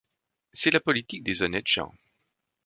C’est la politique des honnêtes gens...